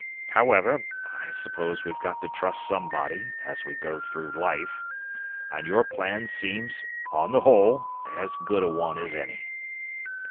However, I suppose we've got to trust somebody, as we go through life, and your plan seems, on the whole, as good a one as any."